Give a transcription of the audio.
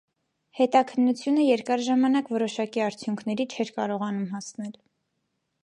Հետաքննությունը երկար ժամանակ որոշակի արդյունքների չէր կարողանում հասնել։